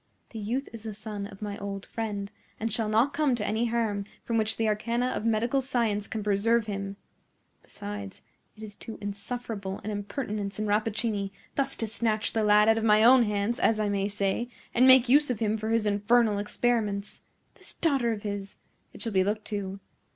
"The youth is the son of my old friend, and shall not come to any harm from which the arcana of medical science can preserve him. Besides, it is too insufferable an impertinence in Rappaccini, thus to snatch the lad out of my own hands, as I may say, and make use of him for his infernal experiments. This daughter of his! It shall be looked to.